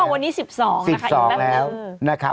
วันนี้๑๒นะคะอีกนักเลย